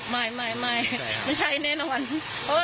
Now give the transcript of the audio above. ว่าอยู่ภูมิไหนที่๖เดือนน่ะ๓เดือน